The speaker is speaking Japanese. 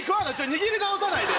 握り直さないで！